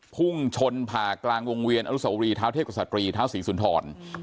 พุ่งชนผ่ากลางวงเวียนอรุษวุรีท้าวเทพกษัตริย์ท้าวศรีสุนทร